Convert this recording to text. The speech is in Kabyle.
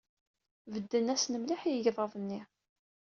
Bedden-asen mliḥ i yegḍaḍ-nni.